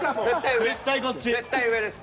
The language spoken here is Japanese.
絶対上です。